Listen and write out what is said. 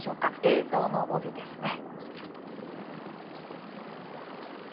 映像の帯ですね。